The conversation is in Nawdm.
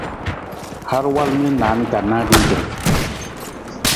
Har walu na naan ka nanrigir.